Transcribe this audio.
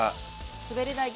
滑り台！